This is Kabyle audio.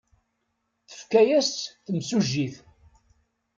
Tefka-as-tt temsujjit.